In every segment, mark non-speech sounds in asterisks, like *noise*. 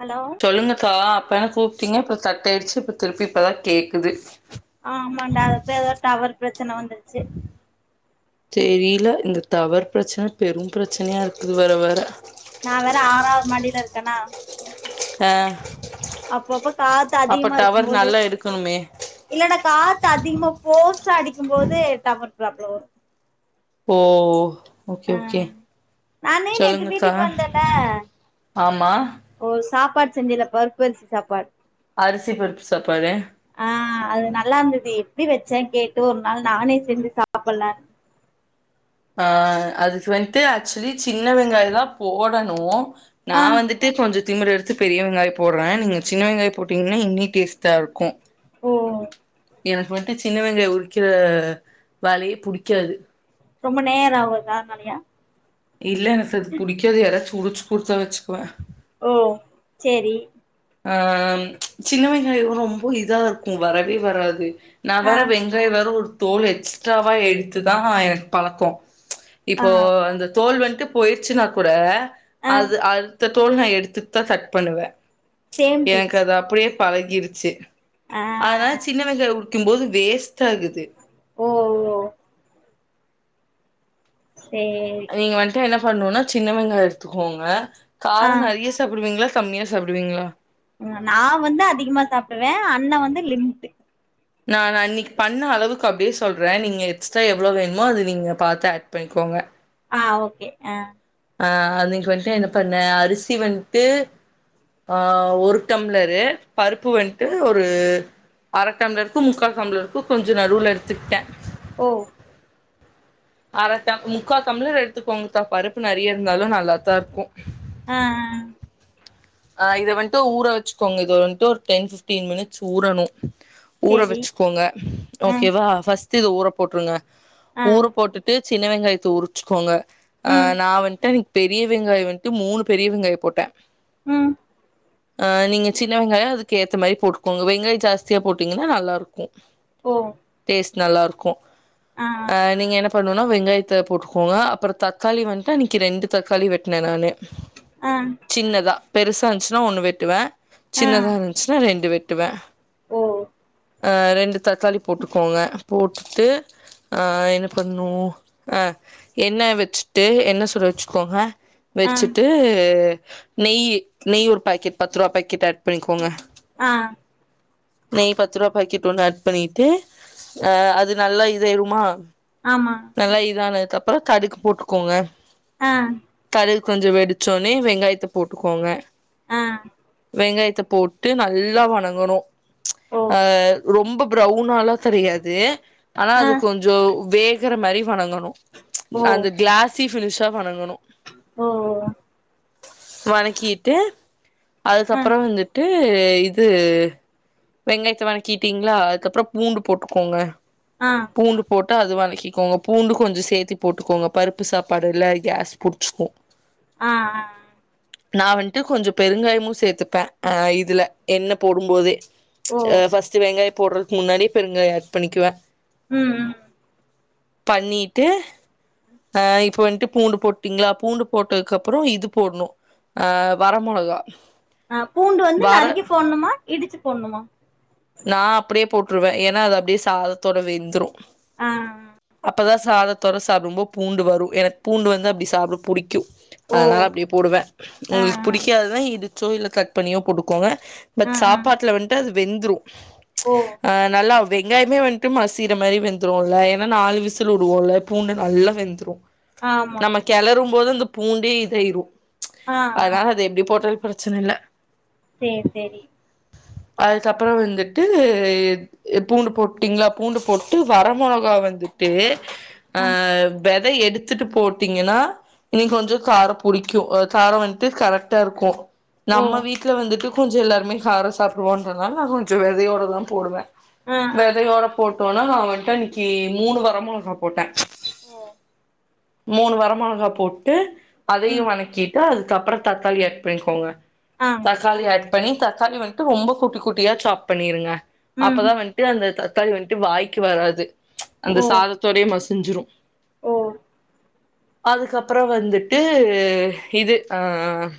hello சொல்லுங்கக்கா அப்ப என்ன கூப்பிட்டீங்க அப்புற தட்ட ஆயடுச்சு இப்ப திருப்பி இப்பதான் கேக்குது ஆமாண்டா அதுக்கு பேருதா டவர் ப்ரச்சன வந்துருச்சு தெரில இந்த தவர் பிரச்சன பெரும் பிரச்சனையா இருக்குது வர வர நா வேற ஆறாவது மாடில இருக்கனா ஆ அப்பப்ப காத்து அப்ப அதிகமா டவர் இருக்கும்போது நல்லா இருக்கணுமே இல்லன்னா காத்து அதிகமா போஸ் ஸ்ஸா அடிக்கும் போது டவர் ப்ராப்ளோ ஓ ஓ ஓகே ஓகே நானே நேத்து சொல்லுங்கக்கா வீட்டுக்கு வந்தேல ஆமா சாப்பாட் செஞ்சில்ல பருப்பு அரிசி சாப்பாட் அரிசி பருப்பு சாப்பாடு அதுல நல்லா இருந்தது எப்படி வச்சேன்னு கேட்டு ஒரு நாள் நானே செஞ்சு சாப்பட்லான் அ அதுக்கு வந்துட்டு ஆக்சுவலி சின்ன வெங்காயொந்தா போடணு நா ஆ வந்துட்டு கொஞ்ச திமிரெடுத்து பெரிய வெங்காயொ போட்றே நீங்க சின்ன வெங்காயொ போட்டீங்கன்னா இன்னி டேஸ்ட்டா இருக்கும் ஓ எனக்கு வந்ட்டு சின்ன வெங்காயொ உரிக்கற வேலையே புடிக்காது ரொம்ப நேரோ ஆகு அது அதுனாலயா இல்லங்க சிஸ் புடிக்காது யாராச்சு உரிச்சு குடுத்தா வச்சுக்குவே ஓ சேரி ஆ அம் சின்ன வெங் காயோ ரொம்ப இதா இருக்கும் வரவே வராது நா ஆ வேற வெங்காயொ வேற ஒரு தோல் எக்ஸ்ட்ராவா எடுத்துதா எனக்கு பலக்கோ ஆ இப்போ அந்த தோல் வந் ட்டு போயிருச்சுன்னாக் கூட ஆ அது அடுத்தத் தோல் நா எடுத்துட் தா தட் பண்ணுவே சேம் எனக்கு பிச் அது அப்படியே பளகிடுச்சு ஆ அதனால சின்ன வெங்காயோ உரி க்கும்போது வேஸ்ட் ஆகுது ஓ ஓ சேரி நீங்க வந்ட்டு என்னப் பண்ணோன்னா சின்ன வெங்காயோ எடுத்துக்கோங்க ஆ காரோ நரைய சாப்டுவீங்களா கம்மியா சாப்டுவீங்களா நா வந்து அதிகமா சாப்டுவே அண்ண வந்து லிமிட்டு நான் அன்னிக்கு பண்ண அளவுக்கு அப்டே சொல்றே நீங்க எக்ஸ்ட்ரா எவ்ளோ வேணுமோ அது நீங்க பாத்து அட் பண்ணிக்கோங்க ஆ ஓகே ஆ ஆ அன்னைக்கு வந்ட்டு என்ன பண்ண அரிசி வந்ட்டு ஆ ஒரு டம்ளரு பருப்பு வந்ட்டு ஒரு அர டம்ளர்க்கு முக்கால் டம்ளருக்கு கொஞ்சொ நடுல எடுத்துக்டே ஓ அர டம் முக்கால் டம்பளர் எடுத்துக்கோங்கக்கா பருப்பு நெறைய இருந்தாலு நல்லாத்தா இருக்கும் ஆ ஆ ஆ இத வந்ட்டு ஊற வச்சுக்கோங்க இது வந்ட்டு ஒரு டென் பிஃப்டீன் மினிட்ஸ் ஊறணு ஊற சேரி வச்சுக்கோங்க ஆ ஓகேவா பஃஸ் ட்டு இது ஊற போட்ருங்க ஆ ஊறப் போட்டுட்டு சின்ன வெங்காயத்த உரிச்சுக்கோங்க அ ம் நா வந்ட்டு அன்னிக் பெரிய வெங்காயொ வந்ட்டு மூணு பெரிய வெங்காயொ போட்டே ம் ஆ நீங்க சின்ன வெங்காயொ அதுக்கு ஏத்த மாரி போட்டுக்கோங்க வெங்காயொ ஜாஸ்தியா போட்டீங்கன்னா நல்லாருக்கு ஓ ஸ்ட் நல்லாருக்கு ஆ நீங்க என்ன பண்ணு னொ வெங்காயத்த போட்டுக்கோங்க அப்புறொ தக்காளி வந்ட்டு அன்னிக்கி ரெண்டு தக்காளி வெட்ன நானு ஆ சின்னதா பெருசா இருந்துச்சுன்னா ஒன்னு வெட்டுவே ஆ சின்னதா இருந்துச்சுன்னா ரெண்டு வெட்டுவே ஓ ஆ ரெண் ரெண்டு தக்காளி போட்டுக்கோங்க போட்டுட்டு ஆ என்ன பண்ணு அ எண்ணெ வெச்சுட்டு எண்ணெ சுட வெச்சுக்கோங்க ஆ வெச்சுட்டு நெய்யி நெய் ஒரு பாக்கெட் பத்ரூவா பாக்கெட் ஆட் பண்ணிக்கோங்க ஆ நெய் பத்ரூவா பாக்கெட் ஒண்ணு அட் பண்ணிட்டு அ அது நல்லா இதாய்ருமா ஆமா நல்லா இதானது க்கப்புறொ கடுகு போட்டுக்கோங்க ஆ அது கொஞ்சொ வெடிச்சோன்னே வெங்காயத்த போட்டுக்கோங்க ஆ வெங்காயத்த போட்டு நல்லா வணங்கணு ஓ அ ரொம்பப் ப்ரௌவுன் னாலோ தெரியாது ஆனா ஆ அது கொஞ்சொ வேகுற மாரி வனங்கணு ஓ அந்த கிளாசி ஃபினிஷ் ட்டா வனங்கணு ஓ வனக்கி ட்டு ஆ அதுக்கப்புறொ வந்துட்டு அ இது வெங்காயத்த வனக்கீட்டீங்ளா அதுக்கப்றம் பூண்டு போட்டுக்கோங்க ஆ பூண்டு போட் டு‌ அது வனக்கிக்கோங்க பூண்டு கொஞ்சொ சேத்தி போட்டுக்கோங்க பருப்பு சாப்பாடுல்ல கேஸ் புடுச்சுக்கு ஆ ஆ நா வன் ட்டு கொஞ்ச பெருங்காயமு சேத்துப்பே அ இதுல எண்ண போடும்போதே ஓ அ ஃபஸ்ட்டு வெங்காய போட்றதுக்கு முன்னாடியே பெருங்காய ஆட் பண்ணிக்கிவே ம் ம் பண்ணிட்டு அ இப்ப வன்ட்டு பூண்டு போட்டீங்ளா பூண்டு போட்டதுக்கப்றொ இது போட்ணு அ வரமொளகா ஆ பூண்டு வந்து நறுக்கி போன்ணுமா இடுச்சு போண்ணுமா நா அப்புடியே போட்ருவே ஏன்னா அது அப்டியே சாதத்தோட வெந்துரு அ அ அப்பதா சாதத்தோட சாப்டும்போ பூண்டு வரு எனக் பூண்டு வந்து அப்டி சாப்ட புடிக்கு ஓ அதுனால அப்டியே போடுவ ஆ உங்ளுக்கு புடிக்காதுனா இடு ச்சோ இல்ல கட் பண்ணியோ போடுக்கோங்க பட் ஆ ஆ ஆ சாப்பாட்ல வன்ட்டு அது வெந்துரு ஓ *inaudible* அ நல்லா வெங்காயமே வன்ட்டு மசியிற மாரி வெந்துருல்ல ஏன்னா நாலு விசில் உடுவோல்ல பூண்டு நல்லா வெந்துரு ஆமா நம்ம கெளரும் போதுந்த பூண்டு இதயிரு ஆ ஆ அதுனால அது எப்டி போட்டாலு பிரச்சனல்ல சேர் சேரி அதுக்கப்புறொ வந்து ட்டு பூண்டு போட்டீங்களா பூண்டு போட்டு வர மொளகா வந்து ஆ எடுத்துட்டு போட்டீங்கன்னா இன்னைக்கு கொஞ்சம் காரம் புடிக்கும் காரம் வந்துட்டு கரெக்டா இருக்கும் ஓ நம்ம வீட்டுல வந்துட்டு கொஞ்சம் எல்லாருமே கார சாப்பிடுவோன்றதுனால நா விதையோடு தான் போடுவேன் ஆ ஆ வெதயோட போட் ஆனா நான் வந்துட்டு அன்னைக்கி மூனு வரமெளாக போட்டேன் ஓ மூணு வர மொளகா போட்டு ம் அதையும் வணக்கிட்டா அதுக்கு அப்புறம் தக்காளி ஆட் பண்ணிக்கோங்க ஆ தக்காளிய பண்ணி தக்காளி வந்துட்டு ரொம்ப குட்டி குட்டியா சாப்ப பண்ணிருங்க ம் அப்பதான் வந்துட்டு அந்த தக்காளி வந்துட்டு வாய்க்கு வராது அந்த ஓ சாதத்தோடேயே மசூ ஞ்சுறும் ஓ அதுக்கப்பறம் வந்துட்டு இது ஆஹ்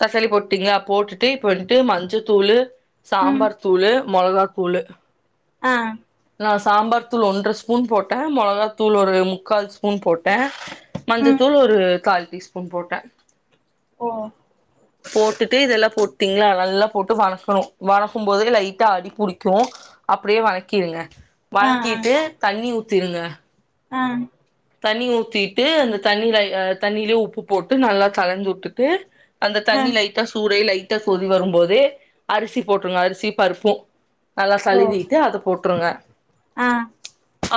தக்காளி போட்டீங்களா போட்டுட்டு போயிட்டு மஞ்ச தூளு ம் சாம்பார் தூளு மொளகா தூளு ஆஹ் நான் சாம்பார் தூள் ஒன்ற ஸ்பூன் போட்டேன் மொளகா தூள் ஒரு முக்கால் ஸ்பூன் போட்டேன் ம் மஞ்சத்தூள் ஒரு கால் டீஸ்பூன் போட்டேன் போ போட்டுட்டு இதெல்லாம் போட்டீங்களா நல்லா போட்டு வனக்கணும் வனக்கும் போது லைட்டா அடி புடிக்கும் அப்படியே வனக்கிடுங்க ஆ வனக்கிட்டு தண்ணி ஊ திருங்க ஆஹ் தண்ணி ஊத்திட்டு அந்த தண்ணி அஹ் தண்ணியிலேயே உப்பு போட்டு நல்லா தளந்து உட்டுட்டு அந்த ஆ தண்ணி லைட்டா சூடே கொதி வரும்போதே அரிசி போட்டருங்க அரிசி பருப்பும் நல்லா ஓ கழுவிட்டு அத போட்டுருங்க ஆ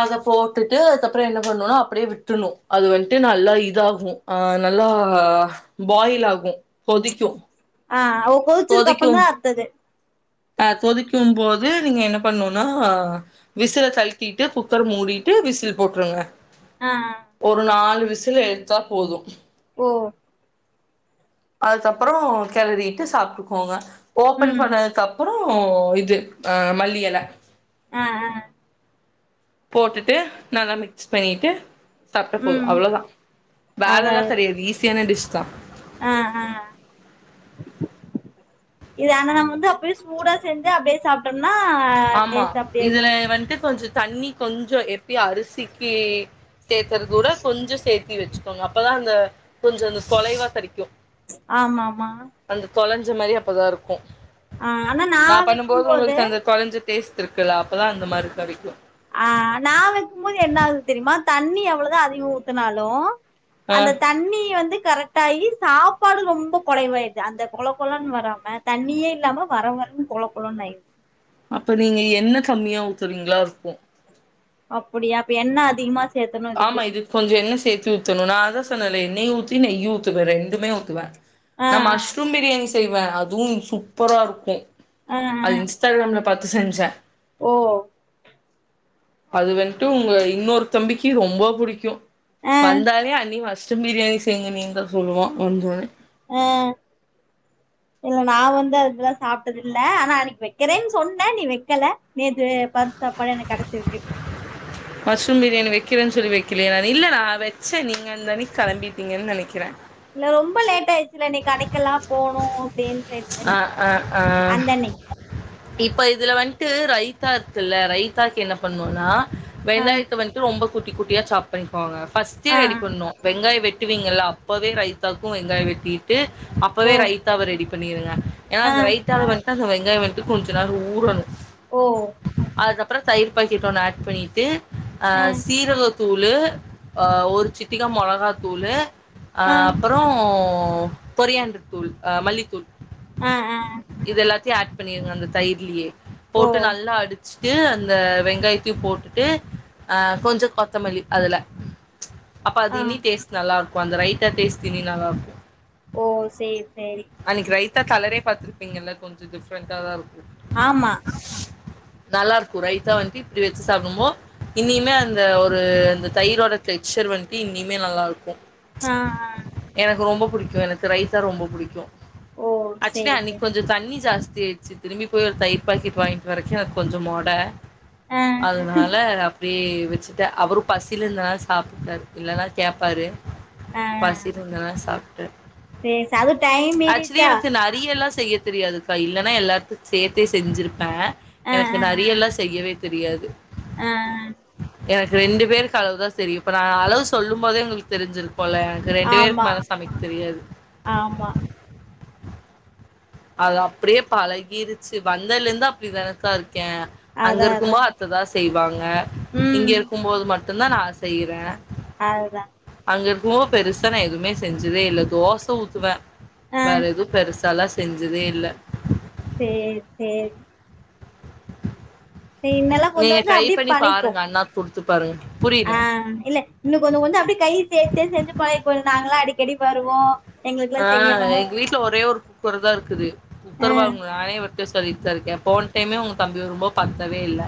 அத போட்டுட்டு அதுப்றொ என்ன பண்ணுன்னா அப்டியே விட்டுர்ணு அது வந்ட்டு நல்லா இதாகு ஆ நல்லா பாயில் ஆகு கொதிக்கு ஆ அவ கொதிச்சதுக்கு அப்பந்தா கொதிக்கும் அத்தது அ கொதிக்கும் போது நீங்க என்ன பண்ணுன்னா விசில கழுத்திட்டு குக்கர் மூடிட்டு விசில் போட்ருங்க ஆ ஆ ஒரு நால் விசில எடுத்தா போதும் ஓ அதுக்கப்றொ கெளறிட்டு சாப் ட்டுக்கோங்க ஓபன் ம் பண்ணதுக்கு அப்பறொ ஓ இது அ மல்லி எல ஆ ஆ போட்டுட்டு நல்லா மிக்ஸ் பண்ணிட்டு சாப்ட்டா போதும் ம் அவ்ளோதா வேலல்லா அதாவது கெடையாது ஈஸியான டிஷ் சாப் ஆ ஆ இது ஆனா நம்ப வந்து அப்பயே சூடா செஞ்சு அப்டே சாப்ட்டொன் ன்னா ஆமா டேஸ்ட் அப்டே இதுல இருக்கும் வந்ட்டு கொஞ்சோ தண்ணி கொஞ்சொ எப் ப்பிடி அரிசிக்கி சேக்கர் கூட கொஞ்சொ சேத் த்தி வெச்சுக்கோங்க அப்பதா அந்த கொஞ்சொ அந்த கொலைவா கெடைக்கு ஆமாம்மா கொலஞ்ச மாரி அப்பதா இருக்கும் ஆ ஆனா நா வைக்கும்போது கொஞ்சொ டேஸ்ட் இருக்குல்ல அப்பதா அந்த மாரி கெடைக்கு ஆ நா வைக்கும் போது என்ன ஆகுது தெரியுமா தண்ணி எவ்ளோதா அதிகொ ஊத்தனாலு ஆ அந்த தண்ணி வந்து கரெக்டாயி சாப்பாடு ரொம்ப கொழைவாய்ட்து அந்த கொள கொளன்னு வராம தண்ணியே இல்லாம வர வரன்னு கொள கொளன்னு ஆயிட்து அப்ப நீங்க என்ன கம்மியா ஊத்துறீங்களா இருக்கும் அப்படியா அப்ப என்ன அதிகமா ச ஆமா இதுக் கொஞ்சொ எண்ணெ சேத்து த்துணு நா அதா சொன்னல எண்ணயு ஊத்தி நெய்யு ஊத்துவே ரெண்டுமே ஊத்துவே ஆ நா மஷ்ரூம் பிரியாணி செய்வ் வ அதுவு சூப்பரா இருக்கும் ஆ ஆ அது ஆ இன்ஸ்டாகிராம்ல பத் செஞ்சே ஓ அது வந்ட்டு உங்க இன்னொரு தம்பி கீ ரொம்ப புடிக்கு ஆ வந்தானே அண்ணி மஸ் சுமிடியானி செய்ங்க நிந்தா சொல்லுவா வந்தோனே ஆ இல்ல நா வந்து அதுல்லா சாப்ட்டதில்ல ஆனா அன்னிக்கு வெக்கிறே சொன்னே நீ வெக்கல நேத்து பத்து சாப்பாடு எனக்கு கெடச்சிருக்கு மஷ்ரூம் பிரியாணி வைக்கிறே சொல்லி வைக்கிலியா நா இல்ல டா வச்சே நீங்க அந்தன்னிக் கிளம்பிட்டீங்கன்னு நெனைக்கிறே இல்ல ரொம்ப லேட் ஆயிடுச்சுல நீ கடைக்கெலா போனு அப்டின் அ அ அ இப்ப இதுல வந்ட்டு ரைத்தா இருக்குல்ல ரைத்தாக்கு என்ன பண்ணுவோனா ஆ வெங்காய்த வந்துட்டு ரொம்ப குட்டி குட்டியா சாப் பண்ணிக்கோங்க ஃபர்ஸடே ஆ ரெடிக்கணு வெங்காயோ வெட்டி வெட்டுவீங்கல்ல அப்பவே ரைதாக்கு வெங்காயோ வெட்டிட்டு அப்பவே ஓ ரைத்தாவ ரெடிப் பணிருங்க ஏன்னா ஆ அந்த ரைட்டால வட்ன அந்த வெங் வெங்காயவெட்டு கொஞ்ச நேரோ ஊறனு ஓ அதுக்கப்றோ தயிர் பாக்கெட் ஒன்னு ஆட் பண்ணிட்டு அ ஆ சீரக தூள் துளு அ ஒரு சிட்டிக்க மொளகாதூளு அ ஆ அப்பரோ ம் கொரியாண்டார் தூள் அ மல்லித்தூள் ஆ ஆ இதெல்லாத் த்யு ஆட் பண்ணிருங்க அந்த தயிர்லியே ஓ போட்டு நல்லா அடிச் ட்டு அந்த வெங்காயத்தையு போட்டுட் அ கொஞ்சோ கொத்தமல்லி அதுல அப்ப அது ஆ இனி டேஸ்ட் நல்லா இருக் ஒ அந்த ரைட்டா தேச்தீ நி நல்லாருக்கு ஓ செரி அன்னிக்கு ரை ட்டா கலரே பார்த்திருப்பீங்கல்ல கொஞ்ச டிஃப்ரெண்டா தா இருக்கு ஆமா நல்லா இருக்கு ரைத்தா வந்து இப்டி வச்சு சாப்பிடும்போ இனிமே அந்த ஒரு அந்த தயிரோட டெக்ஸ்சர் வந்து இனிமே நல்லாருக்கு ஆ ஆ புடிக்கும் எனக்கு ரைஸ்னா ரொம்ப புடிக்கும் ஓ அச்சன சேரி அன்னை சேரி கொஞ்சம் தண்ணி ஜாஸ்தி ச்சு திரும்பி போய் ஒரு தயர் பாக்கெட் வாங்கிட்டு வரைக்கும் அது கொஞ்சம் மொட ஆ அதனால அப்டியே வெச்சுட்டே அவரும் பசியில இருந்தனால சாப்பிட்டாரு இல்ல னா கேப்பாரு பசி இருந்த தா சாப் த ஏ அது ச ஆச்சுவலி எனக்கு நெறைய லா செய்ய தெரியாதுக்கா இல்லைன்னா எல்லாத்தையும் சேர்த்தே செஞ்சிருப்பேன் எனக்கு நெறைய எல்லா செய்யவே தெரியாது ஆஹ எனக்கு ரெண்டு பேருக்கு அளவு தா தெரியும் இப்ப நான் அளவு சொல்லும் போதே உங்களுக்கு தெரிஞ்சிருக்க போல ரெண்டு பேருக்கு ஆமா மேல சமைக்க தெரியாது ஆமா அது அப்படியே பழகிருச்சு வந்ததுல இருந்து அப்படி னக்கா இருக்கு இருக்கன் அங்க அதா அதா இருக்கும்போது அத்தைதான் செய்வாங்க இங்க ம் இருக்கும்போது மட்டும் சொன்ன நா செய்றேன் அதா எதுவும் பெருசா நா எதுமே செஞ்சதே இல்ல தோச ஊத்துவேன் ஆ வேற எதுவும் பெருச தலாஸ் செஞ்சதே இல்ல செரி-செரி இன்னெல்லா கொஞ்சோ நீங்க கொஞ்சோ ட்ரை அப்டி பண்ணி பழக்கிகோ பாருங்க அண்ணாக்கு குடுத்து பாருங்க புரில ஆஹ் இல்ல இன்னு கொஞ்சோ கொஞ்சோ அப்டியே கை சேர்த்தே செஞ்சு பழகிக்கோ நாங்களா அடிக்கடி வருவோம் ஆஹ எங்க வீட்ல ஒரே ஒரு றதா இருக்குது ஆ உத்தரவாங்கலா அனைவ சொல்லிட்டு தான் இருக்கேன் போன டைமே உங்க தம்பி ரொம்ப பத்தவே இல்ல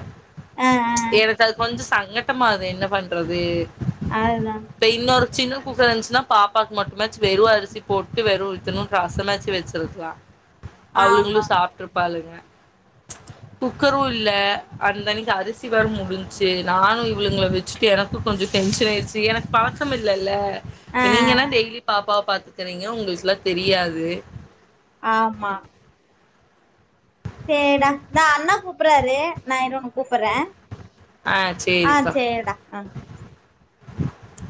ஆ ஆ எனக்கதுகொஞ்ச சங்கட்டமாது என்ன பண்றது அதுதா இப்ப இன்னொரு சின்ன குக்கர் இருந்துச்சுன்னா பா அப்பக் மட்டும் வெறும் அரிசி போட்டு வரும் இத்தனுண்டு ரசமாச்சி வச்சிருக்கலாம் ஆமா அவளுங்களும் சாப்பிட்டுருப்பாளுங்க குக்கரு இல்ல அந்தனக்கு அரிசி வேர முடிஞச்சு நானு இவ்ளுங்கள வச்சுட்டு எனக்கு கொஞ்சோ டென்ஷன் ஆயிடுச்சு எனக்கு பழக்கம் இல்லல ஆ இப்ப நீங்கன்னா டெய்லி பாப்பாவ பாத்து ரிங்க உங்களுக்குல்லா தெரியாது ஆமா சேரி டா தா அண்ணா கூப்றாரு நா இரு உன்ன கூப்பறே ஆ செரி ஆ க்கா சேரிடா ஆ *inaudible*